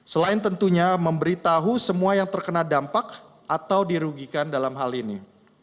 selain tentunya memberitahu semua yang terkena dampak atau dirugikan dalam hal ini